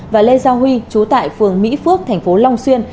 và lê giao huy trú tại phường mỹ phước thành phố long xuyên